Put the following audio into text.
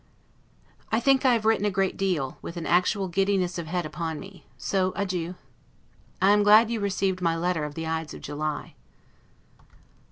I think I have written a great deal, with an actual giddiness of head upon me. So adieu. I am glad you have received my letter of the Ides of July.